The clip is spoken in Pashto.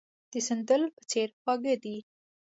د سندل په څېر خواږه دي.